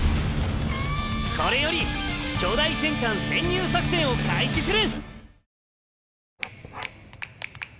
これより巨大戦艦潜入作戦を開始する！